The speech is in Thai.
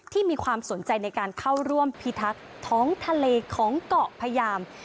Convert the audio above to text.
มีความสนใจในการเข้าร่วมพิทักษ์ท้องทะเลของเกาะพยาม